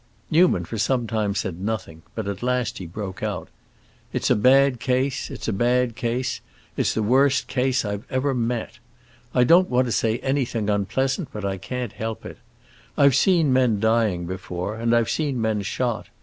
Newman for some time said nothing, but at last he broke out. "It's a bad case—it's a bad case—it's the worst case I ever met. I don't want to say anything unpleasant, but I can't help it. I've seen men dying before—and I've seen men shot.